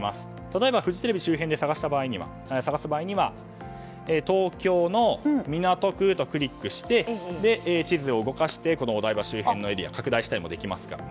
例えばフジテレビ周辺で探す場合は東京の港区とクリックして地図を動かしてお台場周辺のエリアを拡大したりもできます。